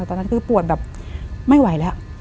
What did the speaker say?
ตอนนั้นคือปวดแบบไม่ไหวแล้ว